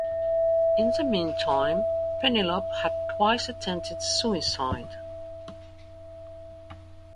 In the meantime Penelope had twice attempted suicide.